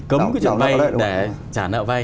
cấm trả nợ vay